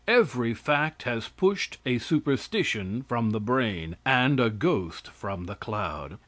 Every fact has pushed a superstition from the brain and a ghost from the cloud.